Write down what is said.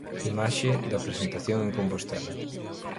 Imaxe da presentación en Compostela.